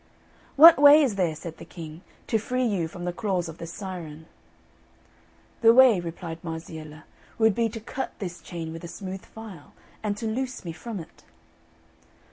"What way is there," said the King, "to free you from the claws of this syren?" "The way," replied Marziella, "would be to cut this chain with a smooth file, and to loose me from it."